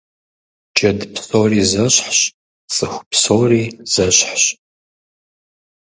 Джэд псори зэщхьщ, цӀыху псори зэщхьщ.